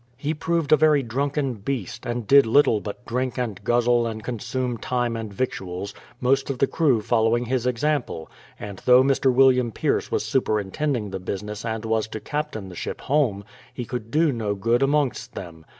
He proved a very drunken beast, and did little but drink and guzzle and con sume time and victuals, most of the crew following his example; and though IMr. William Pierce was superintend ing the business and was to captain the ship home, he could do no good amongst them.